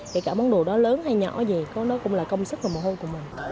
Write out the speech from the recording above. kể cả món đồ đó lớn hay nhỏ gì đó cũng là công sức và mồ hôi của mình